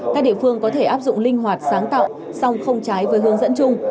các địa phương có thể áp dụng linh hoạt sáng tạo song không trái với hướng dẫn chung